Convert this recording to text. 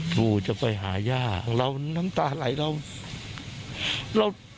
ครูจะไปหาย่าเราน้ำตาไหลเรา